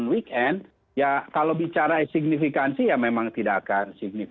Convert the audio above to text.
nah saat ini kita bicara efektivitas lockdown